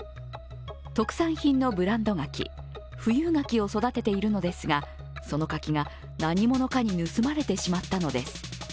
特産品のブランド柿、富有柿を育てているのですがその柿が何者かに盗まれてしまったのです。